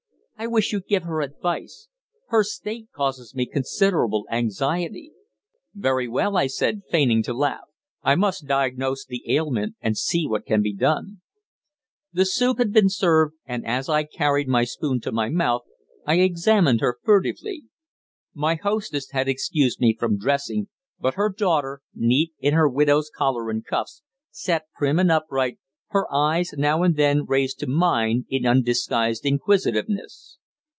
I wish you'd give her advice. Her state causes me considerable anxiety." "Very well," I said, feigning to laugh, "I must diagnose the ailment and see what can be done." The soup had been served, and as I carried my spoon to my mouth I examined her furtively. My hostess had excused me from dressing, but her daughter, neat in her widow's collar and cuffs, sat prim and upright, her eyes now and then raised to mine in undisguised inquisitiveness.